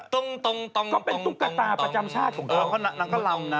ทุกกะตาประจำชาติของทุกหนังก็ลำนะ